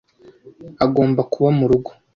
Agomba kuba murugo.